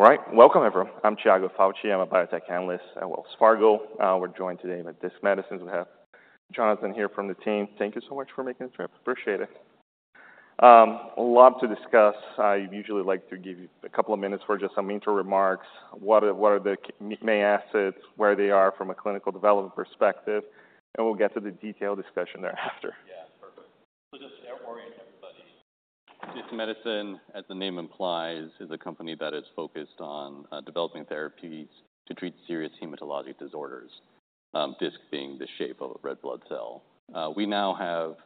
All right. Welcome, everyone. I'm Tiago Fauth, I'm a biotech analyst at Wells Fargo. We're joined today by Disc Medicine. We have Jonathan here from the team. Thank you so much for making the trip. Appreciate it. A lot to discuss. I usually like to give you a couple of minutes for just some intro remarks. What are the main assets, where they are from a clinical development perspective, and we'll get to the detailed discussion thereafter. Yeah, perfect. So just to orient everybody, Disc Medicine, as the name implies, is a company that is focused on, developing therapies to treat serious hematologic disorders, disc being the shape of a red blood cell. We now have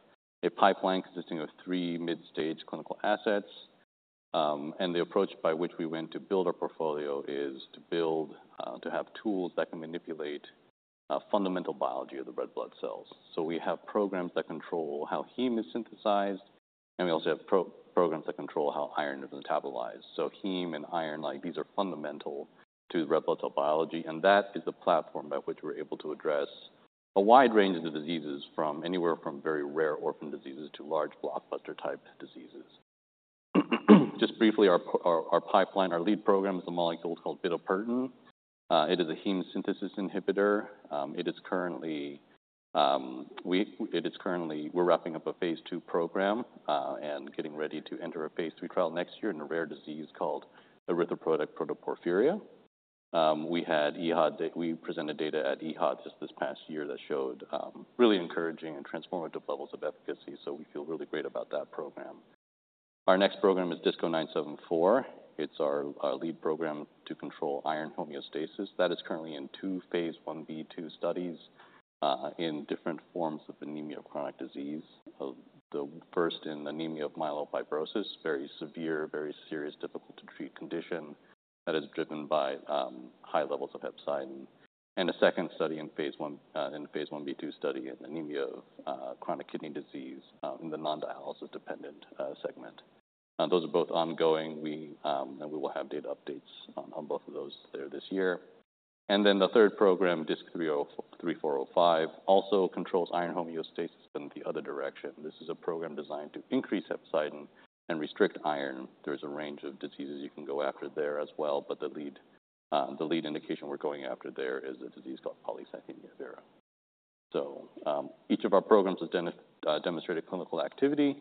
a pipeline consisting of three mid-stage clinical assets, and the approach by which we went to build our portfolio is to build, to have tools that can manipulate, fundamental biology of the red blood cells. So we have programs that control how heme is synthesized, and we also have programs that control how iron is metabolized. So heme and iron, like, these are fundamental to the red blood cell biology, and that is the platform by which we're able to address a wide range of diseases, from anywhere from very rare orphan diseases to large blockbuster-type diseases. Just briefly, our p... Our pipeline, our lead program is a molecule called bitopertin. It is a heme synthesis inhibitor. It is currently... We're wrapping up a phase II program, and getting ready to enter a phase III trial next year in a rare disease called erythropoietic protoporphyria. We had EHA. We presented data at EHA just this past year that showed really encouraging and transformative levels of efficacy, so we feel really great about that program. Our next program is DISC-0974. It's our lead program to control iron homeostasis. That is currently in two phase 1b/2 studies, in different forms of anemia of chronic disease. The first in anemia of myelofibrosis, very severe, very serious, difficult to treat condition that is driven by high levels of hepcidin, and a second study in phase 1, in a phase 1b/2 study in anemia of chronic kidney disease, in the non-dialysis dependent segment. And those are both ongoing. We will have data updates on both of those there this year. And then the third program, DISC-3405, also controls iron homeostasis in the other direction. This is a program designed to increase hepcidin and restrict iron. There's a range of diseases you can go after there as well, but the lead indication we're going after there is a disease called polycythemia vera. Each of our programs has demonstrated clinical activity,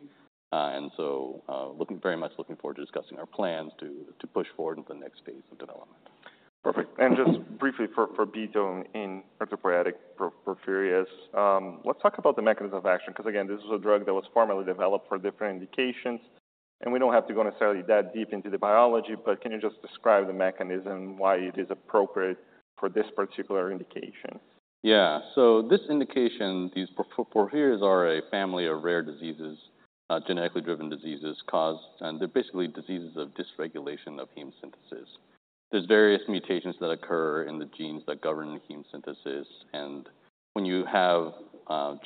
and so, looking very much forward to discussing our plans to push forward into the next phase of development. Perfect. And just briefly for Bitopertin in erythropoietic protoporphyrias, let's talk about the mechanism of action, because again, this is a drug that was formerly developed for different indications, and we don't have to go necessarily that deep into the biology, but can you just describe the mechanism, why it is appropriate for this particular indication? Yeah. So this indication, these porphyrias, are a family of rare diseases, genetically driven diseases. And they're basically diseases of dysregulation of heme synthesis. There's various mutations that occur in the genes that govern heme synthesis, and when you have,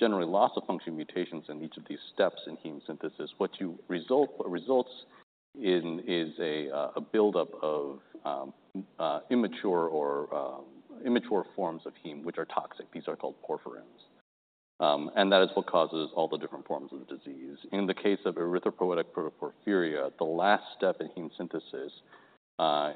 generally loss-of-function mutations in each of these steps in heme synthesis, what results in is a buildup of immature forms of heme, which are toxic. These are called porphyrins, and that is what causes all the different forms of the disease. In the case of erythropoietic protoporphyria, the last step in heme synthesis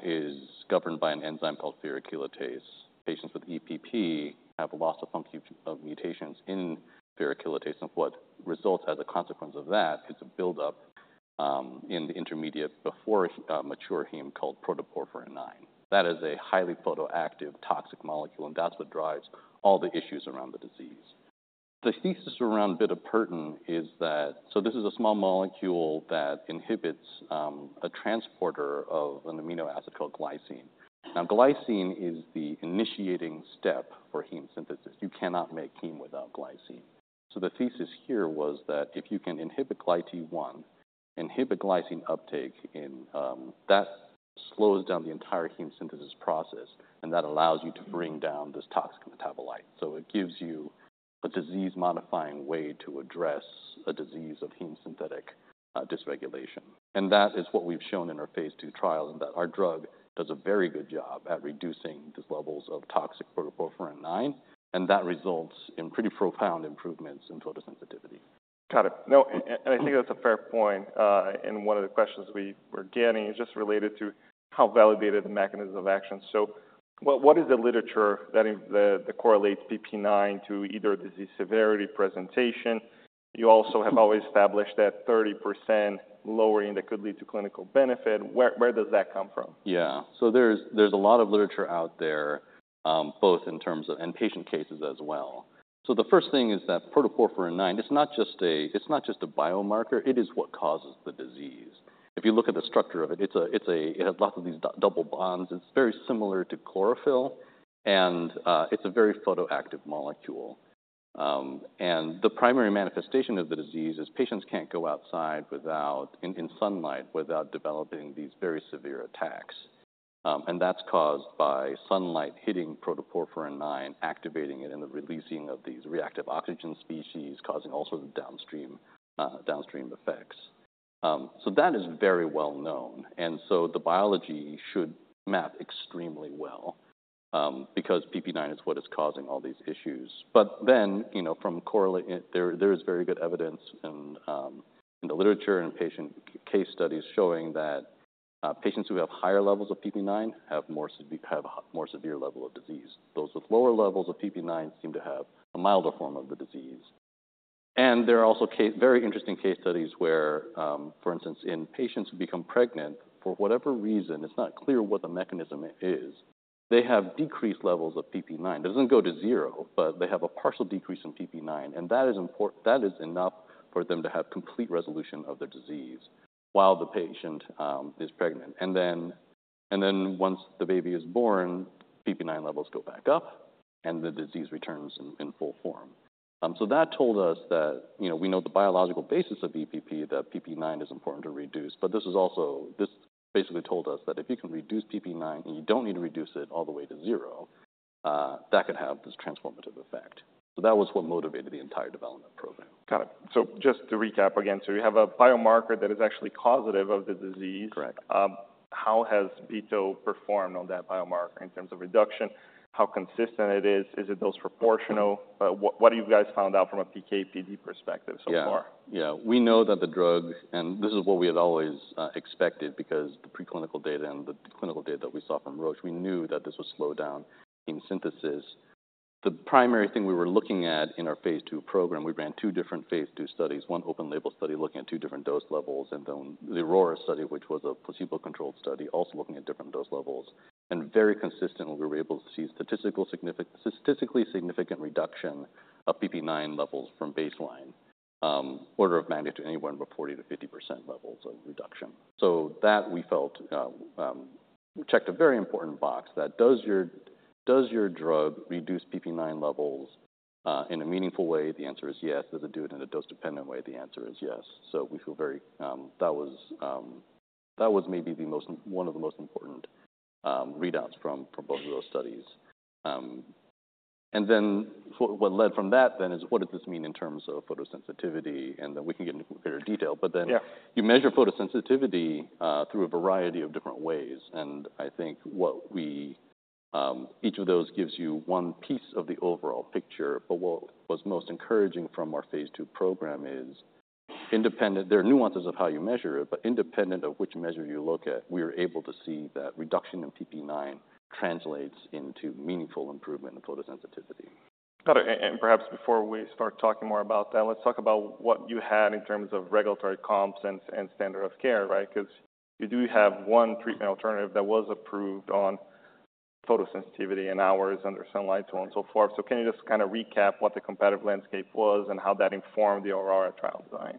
is governed by an enzyme called ferrochelatase. Patients with EPP have a loss-of-function mutations in ferrochelatase, and what results as a consequence of that is a buildup in the intermediate before a mature heme called protoporphyrin IX. That is a highly photoactive toxic molecule, and that's what drives all the issues around the disease. The thesis around Bitopertin is that, so this is a small molecule that inhibits a transporter of an amino acid called glycine. Now, glycine is the initiating step for heme synthesis. You cannot make heme without glycine. So the thesis here was that if you can inhibit GlyT1, inhibit glycine uptake in. That slows down the entire heme synthesis process, and that allows you to bring down this toxic metabolite. So it gives you a disease-modifying way to address a disease of heme synthetic dysregulation, and that is what we've shown in our phase II trial, and that our drug does a very good job at reducing these levels of toxic protoporphyrin IX, and that results in pretty profound improvements in photosensitivity. Got it. No, and I think that's a fair point. And one of the questions we were getting is just related to how validated the mechanism of action. So what is the literature that indicates the correlates PPIX to either disease severity presentation? You also have always established that 30% lowering that could lead to clinical benefit. Where does that come from? Yeah. So there's a lot of literature out there, both in terms of and patient cases as well. The first thing is that protoporphyrin IX, it's not just a biomarker, it is what causes the disease. If you look at the structure of it, it's a it has lots of these double bonds. It's very similar to chlorophyll, and it's a very photoactive molecule. And the primary manifestation of the disease is, patients can't go outside without, in sunlight, without developing these very severe attacks. And that's caused by sunlight hitting protoporphyrin IX, activating it, and the releasing of these reactive oxygen species, causing all sort of downstream effects. So that is very well known, and so the biology should map extremely well because PPIX is what is causing all these issues. But then, you know, from correlating it, there is very good evidence in the literature and patient case studies showing that patients who have higher levels of PPIX have more severe level of disease. Those with lower levels of PPIX seem to have a milder form of the disease. And there are also very interesting case studies where, for instance, in patients who become pregnant, for whatever reason, it's not clear what the mechanism is, they have decreased levels of PPIX. It doesn't go to zero, but they have a partial decrease in PPIX, and that is enough for them to have complete resolution of their disease while the patient is pregnant. And then once the baby is born, PPIX levels go back up, and the disease returns in full form. So that told us that, you know, we know the biological basis of EPP, that PPIX is important to reduce, but this is also... This basically told us that if you can reduce PPIX, and you don't need to reduce it all the way to zero, that could have this transformative effect. So that was what motivated the entire development program. Got it. So just to recap again, so you have a biomarker that is actually causative of the disease. Correct. How has Bitopertin performed on that biomarker in terms of reduction? How consistent it is? Is it dose proportional? What have you guys found out from a PK/PD perspective so far? Yeah. Yeah, we know that the drug, and this is what we had always expected, because the preclinical data and the clinical data that we saw from Roche, we knew that this would slow down heme synthesis. The primary thing we were looking at in our phase II program, we ran two different phase II studies, one open label study looking at two different dose levels, and then the AURORA study, which was a placebo-controlled study, also looking at different dose levels, and very consistently, we were able to see statistically significant reduction of PPIX levels from baseline, order of magnitude to anywhere from 40%-50% levels of reduction. So that we felt checked a very important box that does your drug reduce PPIX levels in a meaningful way? The answer is yes. Does it do it in a dose-dependent way? The answer is yes. So we feel very, that was maybe the most, one of the most important readouts from both of those studies. And then what led from that then is what does this mean in terms of photosensitivity? And then we can get into greater detail. Yeah. But then you measure photosensitivity through a variety of different ways, and I think each of those gives you one piece of the overall picture. But what was most encouraging from our phase II program is independent. There are nuances of how you measure it, but independent of which measure you look at, we are able to see that reduction in PPIX translates into meaningful improvement in photosensitivity. Got it. And perhaps before we start talking more about that, let's talk about what you had in terms of regulatory comps and standard of care, right? Because you do have one treatment alternative that was approved on photosensitivity and hours under sunlight, so on, so forth. So can you just kind of recap what the competitive landscape was and how that informed the AURORA trial design?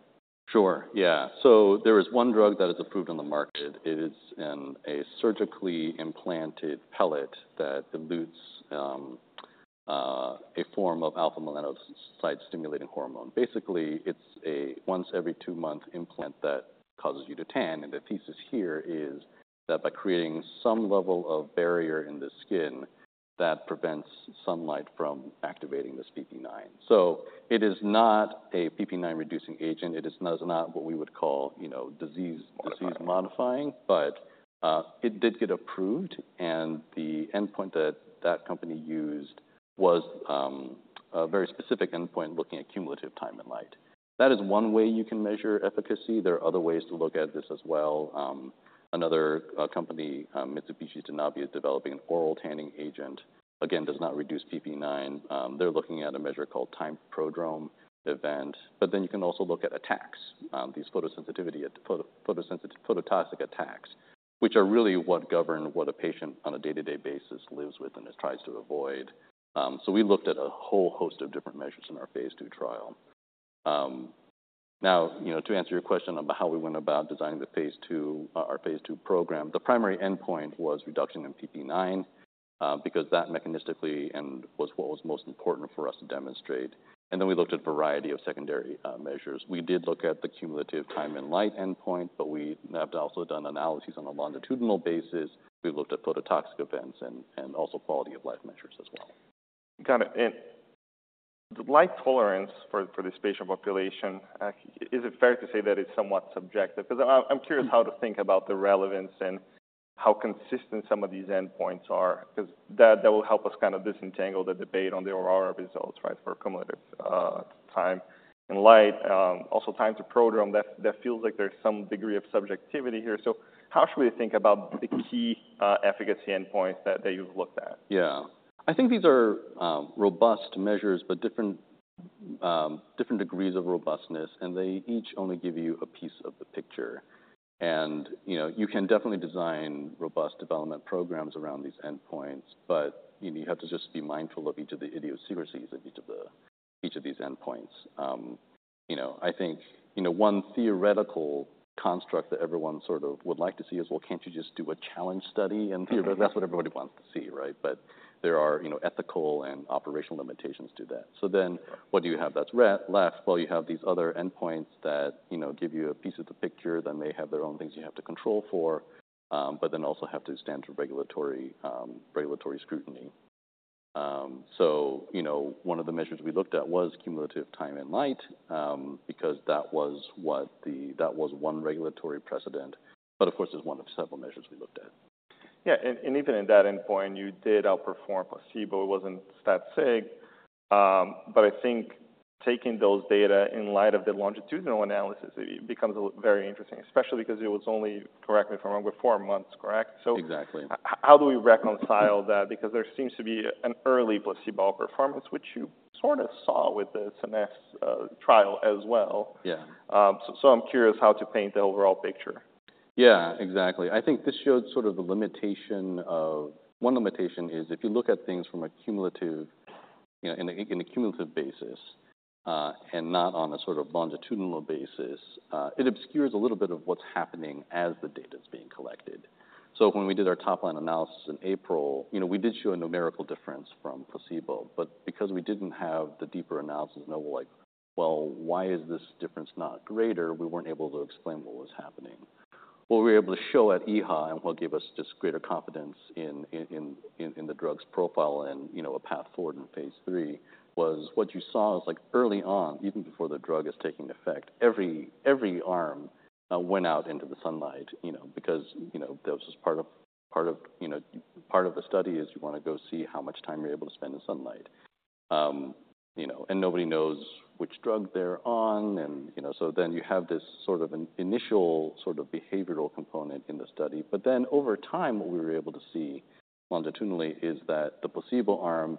Sure, yeah. So there is one drug that is approved on the market. It is in a surgically implanted pellet that elutes a form of alpha-melanocyte-stimulating hormone. Basically, it's a once every two-month implant that causes you to tan, and the thesis here is that by creating some level of barrier in the skin, that prevents sunlight from activating this PPIX. So it is not a PPIX-reducing agent. It is not what we would call, you know, disease- Modifying... disease-modifying, but it did get approved, and the endpoint that that company used was a very specific endpoint looking at cumulative time and light. That is one way you can measure efficacy. There are other ways to look at this as well. Another company, Mitsubishi Tanabe, is developing an oral tanning agent. Again, does not reduce PPIX. They're looking at a measure called time to prodrome event. But then you can also look at attacks, these photosensitivity, phototoxic attacks, which are really what govern what a patient on a day-to-day basis lives with and tries to avoid. So we looked at a whole host of different measures in our phase II trial. Now, you know, to answer your question about how we went about designing the phase II, our phase II program, the primary endpoint was reduction in PPIX, because that mechanistically and was what was most important for us to demonstrate, and then we looked at a variety of secondary measures. We did look at the cumulative time in light endpoint, but we have also done analyses on a longitudinal basis. We looked at phototoxic events and also quality of life measures as well. Got it. And the light tolerance for this patient population, is it fair to say that it's somewhat subjective? Because I'm curious how to think about the relevance and how consistent some of these endpoints are, 'cause that will help us kind of disentangle the debate on the AURORA results, right, for cumulative time and light, also time to prodrome. That feels like there's some degree of subjectivity here. So how should we think about the key efficacy endpoints that you've looked at? Yeah. I think these are robust measures, but different degrees of robustness, and they each only give you a piece of the picture. And, you know, you can definitely design robust development programs around these endpoints, but you have to just be mindful of each of the idiosyncrasies of each of these endpoints. You know, I think, you know, one theoretical construct that everyone sort of would like to see is, well, can't you just do a challenge study? And that's what everybody wants to see, right? But there are, you know, ethical and operational limitations to that. So then what do you have that's left? Well, you have these other endpoints that, you know, give you a piece of the picture that may have their own things you have to control for, but then also have to stand to regulatory scrutiny. So, you know, one of the measures we looked at was cumulative time and light, because that was what that was one regulatory precedent, but of course, it's one of several measures we looked at. Yeah, and even in that endpoint, you did outperform placebo. It wasn't that significant, but I think taking those data in light of the longitudinal analysis, it becomes very interesting, especially because it was only, correct me if I'm wrong, but four months, correct? Exactly. So how do we reconcile that? Because there seems to be an early placebo outperformance, which you sort of saw with the Scenesse trial as well. Yeah. I'm curious how to paint the overall picture. Yeah, exactly. I think this shows sort of the limitation of... One limitation is if you look at things from a cumulative, you know, in a cumulative basis, it obscures a little bit of what's happening as the data is being collected. So when we did our top-line analysis in April, you know, we did show a numerical difference from placebo, but because we didn't have the deeper analysis, and we're like, "Well, why is this difference not greater?" We weren't able to explain what was happening. What we were able to show at EHA and what gave us just greater confidence in the drug's profile and, you know, a path forward in phase III, was what you saw is like early on, even before the drug is taking effect, every arm went out into the sunlight, you know, because, you know, that was just part of the study is you want to go see how much time you're able to spend in sunlight. You know, and nobody knows which drug they're on and, you know, so then you have this sort of an initial behavioral component in the study. But then over time, what we were able to see longitudinally is that the placebo arm,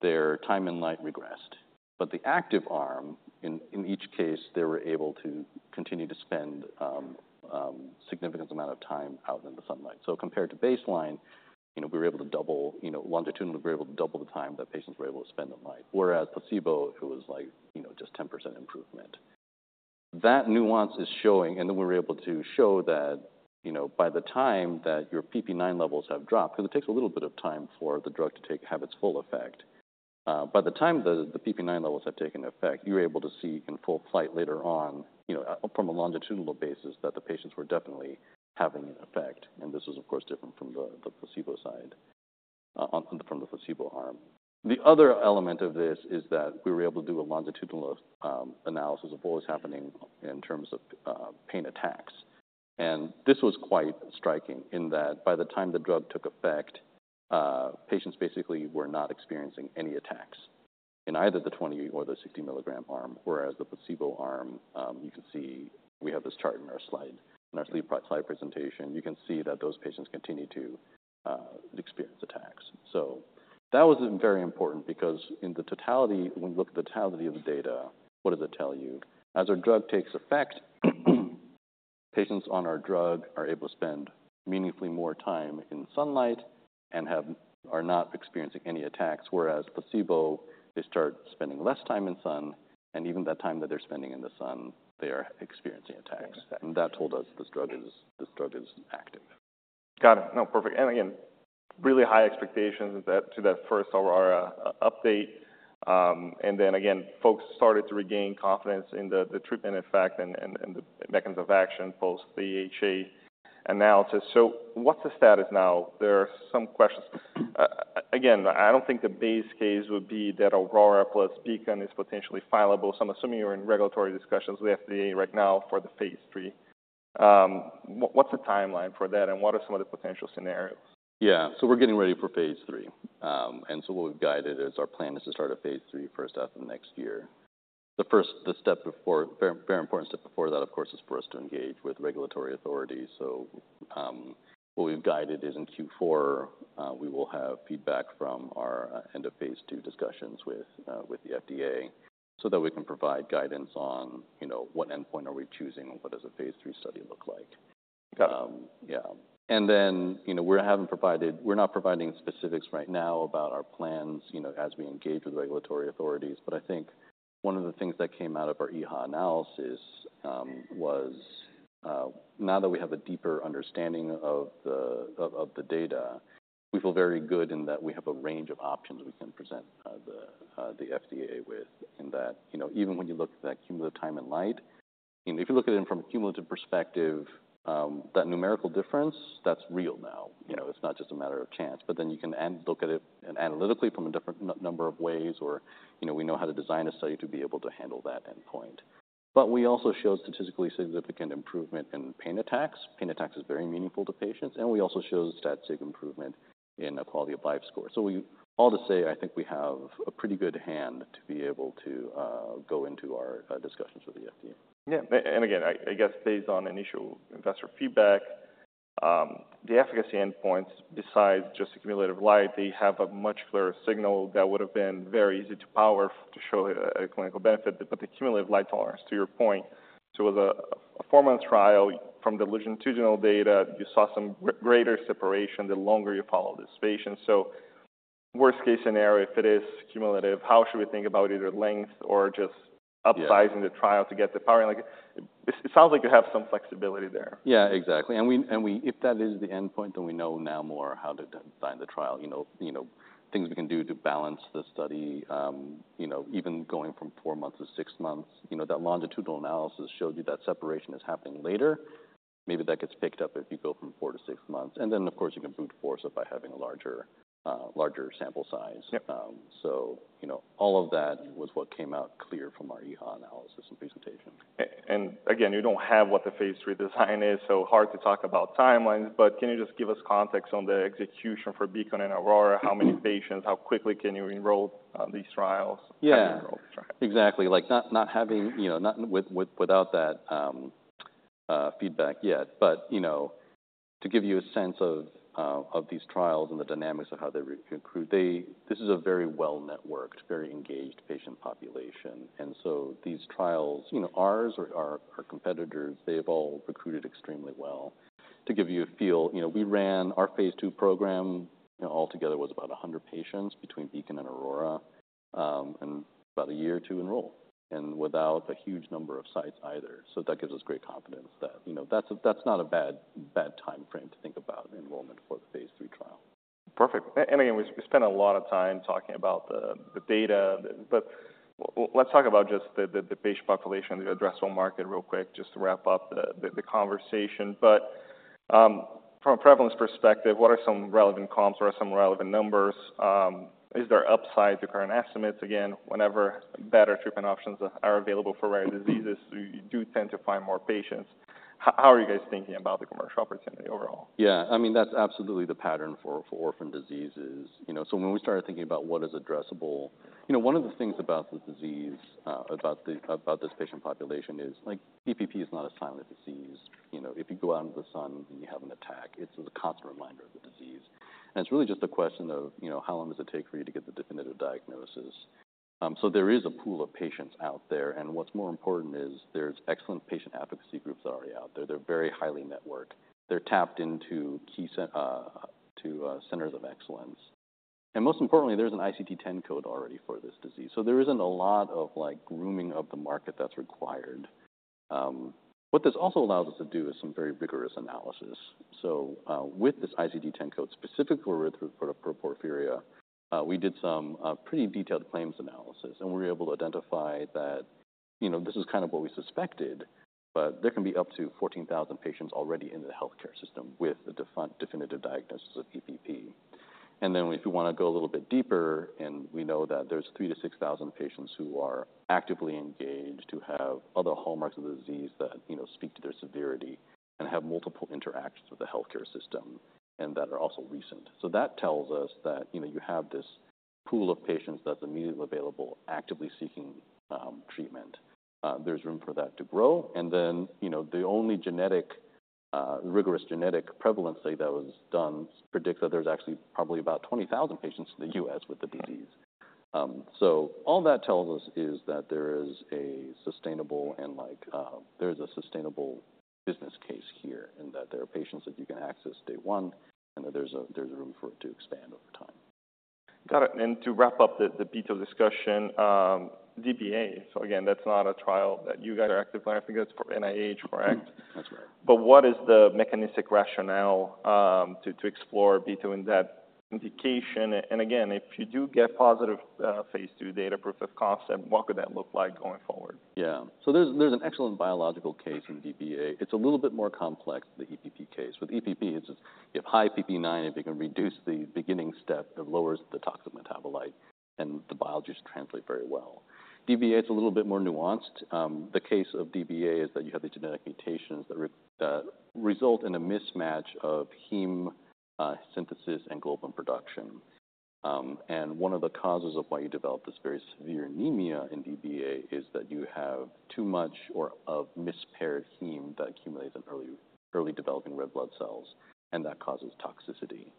their time in light regressed, but the active arm, in each case, they were able to continue to spend significant amount of time out in the sunlight. So compared to baseline, you know, we were able to double, you know, longitudinally, we were able to double the time that patients were able to spend in light, whereas placebo, it was like, you know, just 10% improvement. That nuance is showing, and then we were able to show that, you know, by the time that your PPIX levels have dropped, because it takes a little bit of time for the drug to take its full effect. By the time the PPIX levels have taken effect, you're able to see in full flight later on, you know, from a longitudinal basis, that the patients were definitely having an effect, and this is, of course, different from the placebo side, from the placebo arm. The other element of this is that we were able to do a longitudinal analysis of what was happening in terms of pain attacks. This was quite striking in that by the time the drug took effect, patients basically were not experiencing any attacks in either the 20 milligram or the 60 milligram arm, whereas the placebo arm, you can see we have this chart in our slide. In our slide presentation, you can see that those patients continued to experience attacks. So that was very important because in the totality, when you look at the totality of the data, what does it tell you? As our drug takes effect, patients on our drug are able to spend meaningfully more time in sunlight and are not experiencing any attacks, whereas placebo, they start spending less time in sun, and even that time that they're spending in the sun, they are experiencing attacks. Exactly. That told us this drug is active. Got it. No, perfect. And again, really high expectations, too, that first AURORA update. And then again, folks started to regain confidence in the treatment effect and the mechanisms of action, both the ASH analysis. So what's the status now? There are some questions. Again, I don't think the base case would be that AURORA plus BEACON is potentially fileable. So I'm assuming you're in regulatory discussions with FDA right now for the phase III. What, what's the timeline for that, and what are some of the potential scenarios? Yeah. So we're getting ready for phase III. And so what we've guided is our plan is to start a phase III first half of next year. The first, the step before, very, very important step before that, of course, is for us to engage with regulatory authorities. So, what we've guided is in Q4, we will have feedback from our end of phase II discussions with the FDA, so that we can provide guidance on, you know, what endpoint are we choosing and what does a phase III study look like? Got it. Yeah. And then, you know, we haven't provided, we're not providing specifics right now about our plans, you know, as we engage with regulatory authorities. But I think one of the things that came out of our EHA analysis was now that we have a deeper understanding of the data, we feel very good in that we have a range of options we can present the FDA with. In that, you know, even when you look at that cumulative time in light, if you look at it from a cumulative perspective, that numerical difference, that's real now. You know, it's not just a matter of chance, but then you can look at it analytically from a different number of ways or, you know, we know how to design a study to be able to handle that endpoint. But we also showed statistically significant improvement in pain attacks. Pain attacks is very meaningful to patients, and we also showed stat sig improvement in a quality of life score. So we... All to say, I think we have a pretty good hand to be able to go into our discussions with the FDA. Yeah. And again, I guess based on initial investor feedback, the efficacy endpoints, besides just the cumulative light, they have a much clearer signal that would have been very easy to power to show a clinical benefit. But the cumulative light tolerance, to your point, so it was a four-month trial. From the longitudinal data, you saw some greater separation the longer you follow this patient. So worst case scenario, if it is cumulative, how should we think about either length or just- Yeah... upsizing the trial to get the powering? Like, it, it sounds like you have some flexibility there. Yeah, exactly. And we, if that is the endpoint, then we know now more how to design the trial. You know, things we can do to balance the study, you know, even going from four months to six months. You know, that longitudinal analysis showed you that separation is happening later... maybe that gets picked up if you go from four to six months, and then, of course, you can brute force it by having a larger sample size. Yep. So, you know, all of that was what came out clear from our EHA analysis and presentation. And again, you don't have what the phase III design is, so hard to talk about timelines, but can you just give us context on the execution for BEACON and AURORA? How many patients, how quickly can you enroll these trials? Yeah. Enroll, right. Exactly. Like, not having, you know, not with, without that feedback yet. But, you know, to give you a sense of these trials and the dynamics of how they recruit, they. This is a very well-networked, very engaged patient population, and so these trials, you know, ours or our competitors, they've all recruited extremely well. To give you a feel, you know, we ran our phase II program, you know, altogether was about a hundred patients between BEACON and AURORA, and about a year or two to enroll, and without a huge number of sites either. So that gives us great confidence that, you know, that's not a bad timeframe to think about enrollment for the phase III trial. Perfect. And again, we spent a lot of time talking about the data. But let's talk about just the patient population, the addressable market real quick, just to wrap up the conversation. But from a prevalence perspective, what are some relevant comps? What are some relevant numbers? Is there upside to current estimates? Again, whenever better treatment options are available for rare diseases, you do tend to find more patients. How are you guys thinking about the commercial opportunity overall? Yeah, I mean, that's absolutely the pattern for orphan diseases, you know. So when we started thinking about what is addressable. You know, one of the things about this disease, about this patient population is, like, EPP is not a silent disease. You know, if you go out into the sun and you have an attack, it's a constant reminder of the disease. And it's really just a question of, you know, how long does it take for you to get the definitive diagnosis. So there is a pool of patients out there, and what's more important is there's excellent patient advocacy groups that are already out there. They're very highly networked. They're tapped into key centers of excellence. Most importantly, there's an ICD-10 code already for this disease, so there isn't a lot of, like, grooming of the market that's required. What this also allows us to do is some very rigorous analysis. With this ICD-10 code, specifically for erythropoietic porphyria, we did some pretty detailed claims analysis, and we were able to identify that, you know, this is kind of what we suspected, but there can be up to 14,000 patients already in the healthcare system with a definitive diagnosis of EPP. Then if we want to go a little bit deeper, and we know that there's 3,000-6,000 patients who are actively engaged, who have other hallmarks of the disease that, you know, speak to their severity and have multiple interactions with the healthcare system and that are also recent. So that tells us that, you know, you have this pool of patients that's immediately available, actively seeking, treatment. There's room for that to grow. And then, you know, the only genetic, rigorous genetic prevalence study that was done predicts that there's actually probably about 20,000 patients in the U.S. with the disease. So all that tells us is that there is a sustainable and, like, there's a sustainable business case here, and that there are patients that you can access day one, and that there's room for it to expand over time. Got it. And to wrap up the beta discussion, DBA. So again, that's not a trial that you guys are active in. I think that's for NIH, correct? That's right. But what is the mechanistic rationale to explore between that indication? And again, if you do get positive phase II data, proof of concept, what could that look like going forward? Yeah. So there's an excellent biological case in DBA. It's a little bit more complex than the EPP case. With EPP, it's just, you have high PPIX, if you can reduce the beginning step, it lowers the toxic metabolite, and the biology is translated very well. DBA is a little bit more nuanced. The case of DBA is that you have these genetic mutations that result in a mismatch of heme synthesis and globin production. And one of the causes of why you develop this very severe anemia in DBA is that you have too much of mispaired heme that accumulates in early developing red blood cells, and that causes toxicity.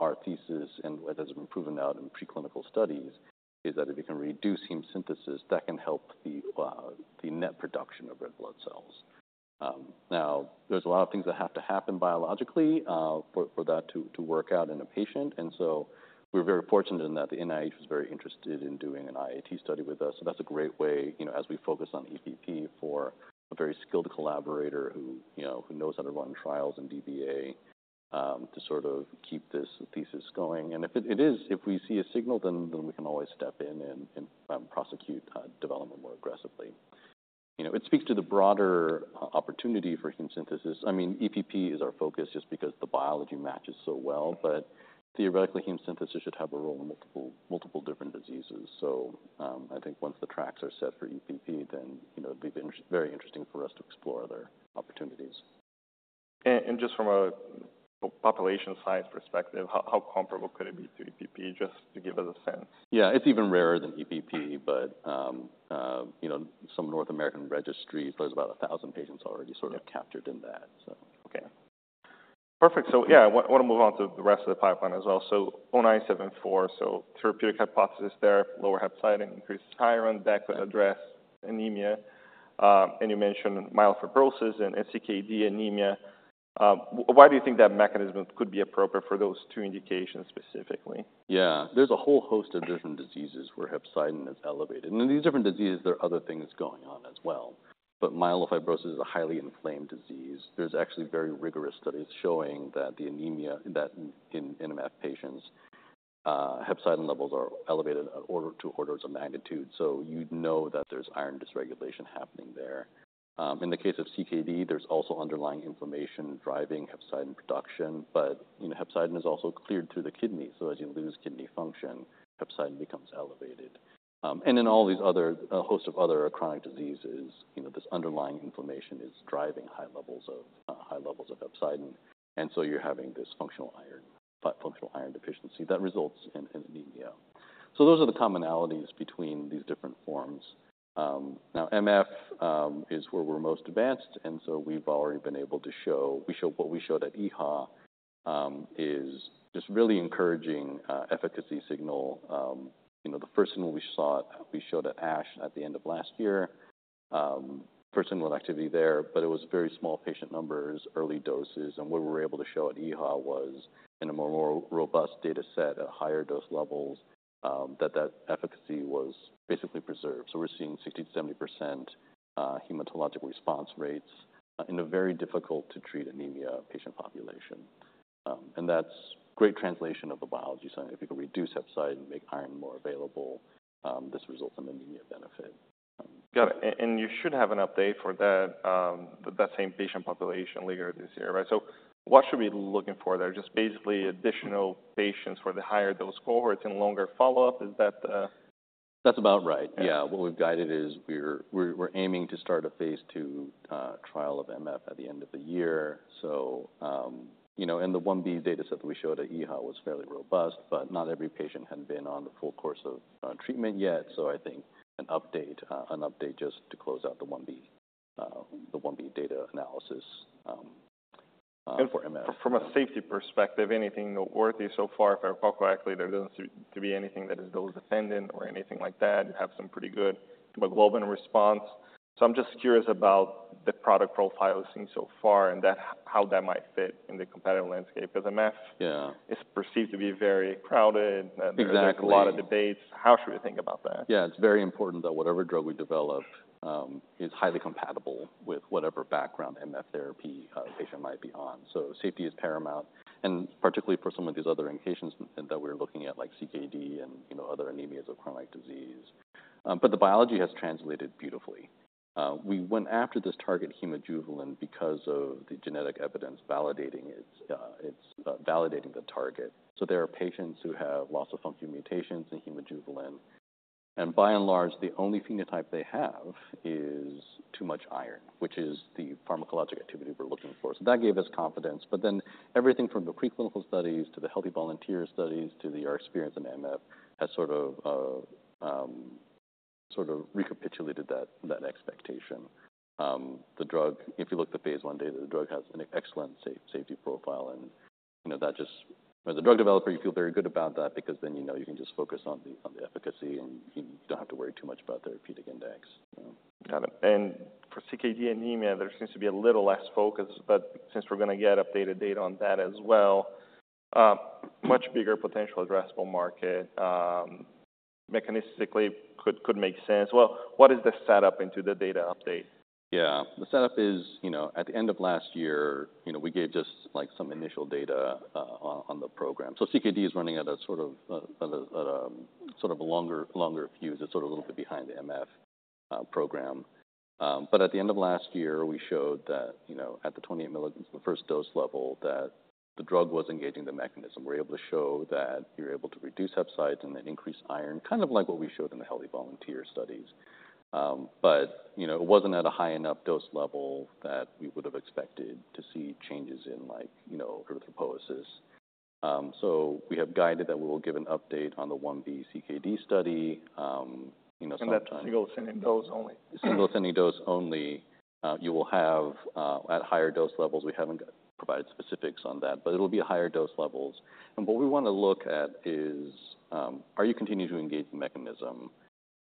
Our thesis, and it has been proven now in preclinical studies, is that if you can reduce heme synthesis, that can help the net production of red blood cells. Now, there's a lot of things that have to happen biologically for that to work out in a patient. We're very fortunate in that the NIH was very interested in doing an IIT study with us. That's a great way, you know, as we focus on EPP, for a very skilled collaborator who, you know, who knows how to run trials in DBA, to sort of keep this thesis going. If it is, if we see a signal, then we can always step in and prosecute development more aggressively. You know, it speaks to the broader opportunity for heme synthesis. I mean, EPP is our focus just because the biology matches so well, but theoretically, heme synthesis should have a role in multiple different diseases. So, I think once the tracks are set for EPP, then, you know, it'd be very interesting for us to explore other opportunities. Just from a population size perspective, how comparable could it be to EPP, just to give us a sense? Yeah, it's even rarer than EPP, but, you know, some North American registries, there's about a thousand patients already sort of- Yeah... captured in that, so. Okay. Perfect. So yeah, I want to move on to the rest of the pipeline as well. So DISC-0974, so therapeutic hypothesis there, lower hepcidin, increased iron, that could address anemia. And you mentioned myelofibrosis and CKD anemia. Why do you think that mechanism could be appropriate for those two indications specifically? Yeah. There's a whole host of different diseases where hepcidin is elevated, and in these different diseases, there are other things going on as well, but myelofibrosis is a highly inflamed disease. There's actually very rigorous studies showing that the anemia in MF patients hepcidin levels are elevated an order, two orders of magnitude, so you'd know that there's iron dysregulation happening there. In the case of CKD, there's also underlying inflammation driving hepcidin production, but, you know, hepcidin is also cleared through the kidneys, so as you lose kidney function, hepcidin becomes elevated, and in all these other, a host of other chronic diseases, you know, this underlying inflammation is driving high levels of hepcidin, and so you're having this functional iron deficiency that results in anemia, those are the commonalities between these different forms. Now, MF is where we're most advanced, and so we've already been able to show what we showed at EHA is just really encouraging efficacy signal. You know, the first thing we saw, we showed at ASH at the end of last year, preliminary activity there, but it was very small patient numbers, early doses, and what we were able to show at EHA was in a more robust data set at higher dose levels, that efficacy was basically preserved. So we're seeing 60%-70% hematologic response rates in a very difficult-to-treat anemia patient population. And that's great translation of the biology. So if you can reduce hepcidin and make iron more available, this results in anemia benefit. Got it. And you should have an update for that same patient population later this year, right? So what should we be looking for there? Just basically additional patients for the higher dose cohorts and longer follow-up. Is that, That's about right. Yeah. What we've guided is we're aiming to start a phase II trial of MF at the end of the year. So, you know, in the 1B data set that we showed at EHA was fairly robust, but not every patient had been on the full course of treatment yet. So I think an update just to close out the 1B data analysis for MF. From a safety perspective, anything noteworthy so far? If I recall correctly, there doesn't seem to be anything that is dose-dependent or anything like that, and we have some pretty good hemoglobin response. So I'm just curious about the product profile we've seen so far and that, how that might fit in the competitive landscape, 'cause MF- Yeah... is perceived to be very crowded. Exactly. There's a lot of debates. How should we think about that? Yeah, it's very important that whatever drug we develop is highly compatible with whatever background MF therapy a patient might be on. So safety is paramount, and particularly for some of these other indications that we're looking at, like CKD and, you know, other anemias of chronic disease. But the biology has translated beautifully. We went after this target hemojuvelin because of the genetic evidence validating it, validating the target. So there are patients who have loss-of-function mutations in hemojuvelin, and by and large, the only phenotype they have is too much iron, which is the pharmacologic activity we're looking for. So that gave us confidence. But then everything from the preclinical studies to the healthy volunteer studies to our experience in MF has sort of recapitulated that expectation. The drug, if you look at the phase I data, the drug has an excellent safety profile, and, you know, that just... As a drug developer, you feel very good about that because then you know you can just focus on the efficacy, and you don't have to worry too much about the therapeutic index. Got it. And for CKD anemia, there seems to be a little less focus, but since we're gonna get updated data on that as well, much bigger potential addressable market, mechanistically could make sense. Well, what is the setup into the data update? Yeah, the setup is, you know, at the end of last year, you know, we gave just, like, some initial data on the program. So CKD is running at a sort of a longer fuse. It's sort of a little bit behind the MF program. But at the end of last year, we showed that, you know, at the 28 milligrams, the first dose level, that the drug was engaging the mechanism. We're able to show that you're able to reduce hepcidin and increase iron, kind of like what we showed in the healthy volunteer studies. But, you know, it wasn't at a high enough dose level that we would have expected to see changes in like, you know, erythropoiesis. So we have guided that we will give an update on the 1b CKD study, you know. That's single ascending dose only? Single ascending dose only. You will have at higher dose levels; we haven't provided specifics on that, but it'll be higher dose levels. And what we want to look at is, are you continuing to engage the mechanism?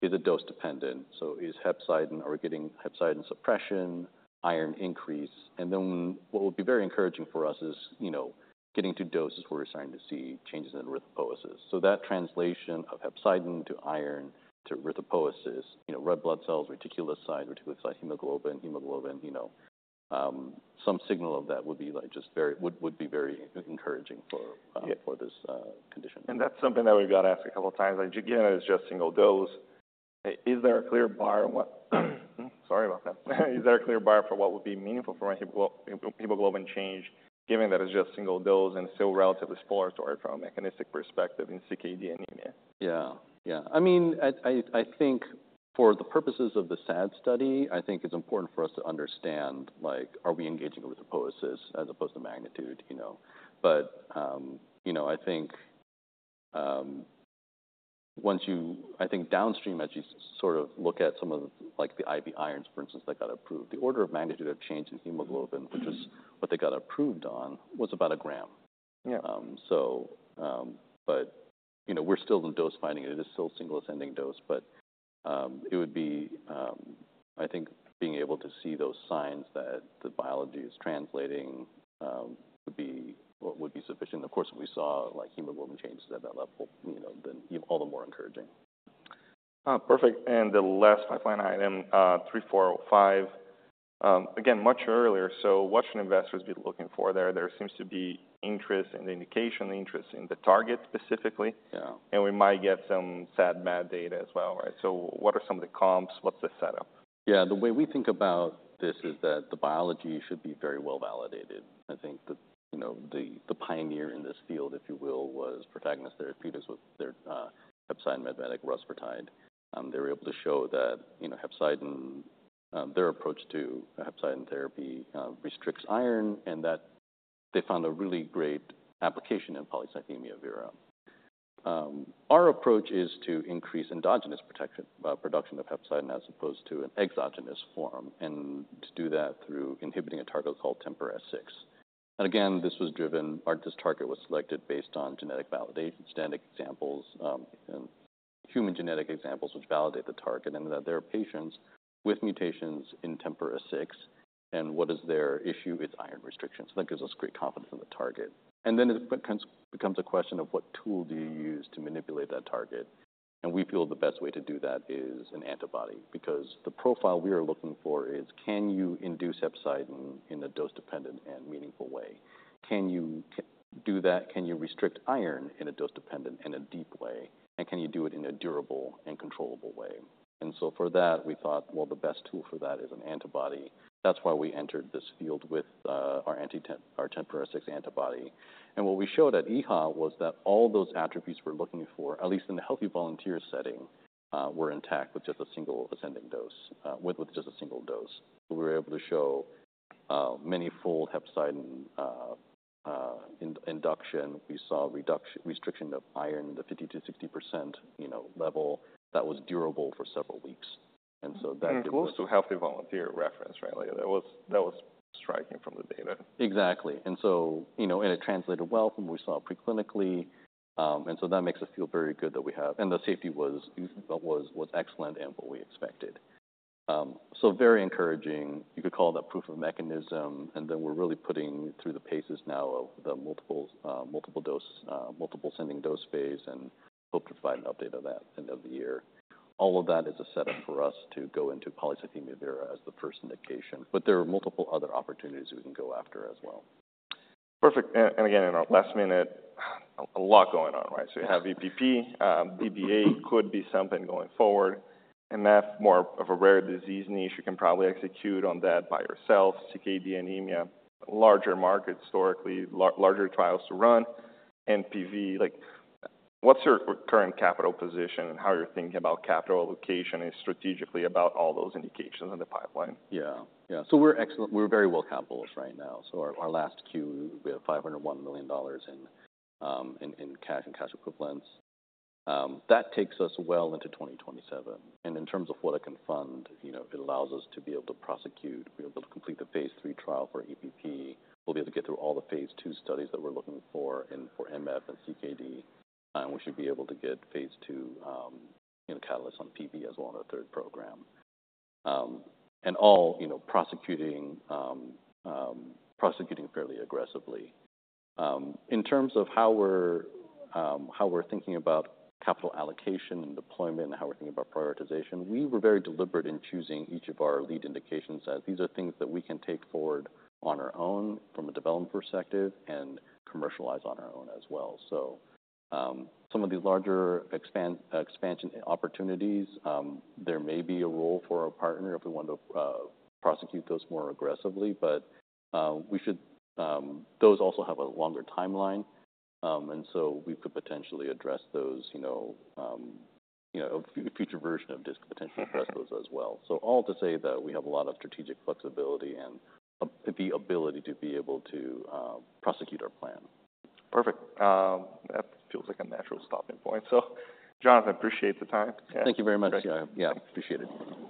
Is it dose-dependent? So is hepcidin; are we getting hepcidin suppression, iron increase? And then what would be very encouraging for us is, you know, getting to doses where we're starting to see changes in erythropoiesis. So that translation of hepcidin to iron to erythropoiesis, you know, red blood cells, reticulocyte, hemoglobin, you know, some signal of that would be like just very would be very encouraging for. Yeah... for this, condition. That's something that we've got asked a couple of times. Like, again, it's just single dose. Is there a clear bar for what would be meaningful for a hemoglobin change, given that it's just single dose and still relatively smaller to work from a mechanistic perspective in CKD anemia? Yeah, yeah. I mean, I think for the purposes of the SAD study, I think it's important for us to understand, like, are we engaging erythropoiesis as opposed to magnitude, you know? But, you know, I think, once you... I think downstream, as you sort of look at some of like the IV irons, for instance, that got approved, the order of magnitude of change in hemoglobin, which is what they got approved on, was about a gram. Yeah. But, you know, we're still in dose finding, and it is still single ascending dose, but it would be... I think being able to see those signs that the biology is translating would be, well, would be sufficient. Of course, if we saw like hemoglobin changes at that level, you know, then all the more encouraging.... Perfect. And the last pipeline item, three, four, five. Again, much earlier, so what should investors be looking for there? There seems to be interest in the indication, interest in the target specifically. Yeah. We might get some ASH EHA data as well, right? What are some of the comps? What's the setup? Yeah, the way we think about this is that the biology should be very well validated. I think that, you know, the, the pioneer in this field, if you will, was Protagonist Therapeutics with their hepcidin mimetic, rusfertide. They were able to show that, you know, hepcidin, their approach to hepcidin therapy, restricts iron, and that they found a really great application in polycythemia vera. Our approach is to increase endogenous production of hepcidin, as opposed to an exogenous form, and to do that through inhibiting a target called TMPRSS6. And again, this was driven or this target was selected based on genetic validation, genetic examples, and human genetic examples which validate the target, and that there are patients with mutations in TMPRSS6. And what is their issue with iron restriction? So that gives us great confidence in the target. Then it kind becomes a question of what tool do you use to manipulate that target. We feel the best way to do that is an antibody, because the profile we are looking for is, can you induce hepcidin in a dose-dependent and meaningful way? Can you do that? Can you restrict iron in a dose-dependent, in a deep way, and can you do it in a durable and controllable way? For that, we thought, well, the best tool for that is an antibody. That's why we entered this field with our anti-TMPRSS6 antibody. What we showed at EHA was that all those attributes we're looking for, at least in the healthy volunteer setting, were intact with just a single ascending dose, with just a single dose. We were able to show many-fold hepcidin induction. We saw reduction, restriction of iron in the 50%-60%, you know, level that was durable for several weeks. And so that- Close to healthy volunteer reference, right? Like, that was striking from the data. Exactly. And so, you know, and it translated well from what we saw pre-clinically, and so that makes us feel very good that we have... The safety was excellent and what we expected, so very encouraging. You could call that proof of mechanism, and then we're really putting through the paces now of the multiple ascending dose phase, and hope to provide an update on that end of the year. All of that is a setup for us to go into polycythemia vera as the first indication, but there are multiple other opportunities we can go after as well. Perfect. And again, in our last minute, a lot going on, right? Yeah. So you have EPP, DBA could be something going forward, and that's more of a rare disease niche. You can probably execute on that by yourself. CKD anemia, larger market historically, larger trials to run, NPV. Like, what's your current capital position and how you're thinking about capital allocation and strategically about all those indications in the pipeline? Yeah. Yeah. So we're excellent. We're very well capitalized right now. So our last Q, we had $501 million in cash and cash equivalents. That takes us well into 2027. In terms of what it can fund, you know, it allows us to be able to prosecute, be able to complete the phase three trial for EPP. We'll be able to get through all the phase II studies that we're looking for in MF and CKD. We should be able to get phase II, you know, catalysts on PV as well, in our third program. And all, you know, prosecuting fairly aggressively. In terms of how we're thinking about capital allocation and deployment and how we're thinking about prioritization, we were very deliberate in choosing each of our lead indications, as these are things that we can take forward on our own from a development perspective and commercialize on our own as well. So, some of these larger expansion opportunities, there may be a role for our partner if we want to prosecute those more aggressively. But, we should... Those also have a longer timeline, and so we could potentially address those, you know, you know, a future version of this could potentially address those as well. So all to say that we have a lot of strategic flexibility and the ability to be able to prosecute our plan. Perfect. That feels like a natural stopping point. So, Jonathan, appreciate the time. Thank you very much. Yeah. Yeah, appreciate it.